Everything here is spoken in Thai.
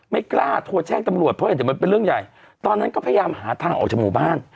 ไม่กล้าโทรแจ้งตำรวจเพราะเห็นแต่มันเป็นเรื่องใหญ่ตอนนั้นก็พยายามหาทางออกจากหมู่บ้าน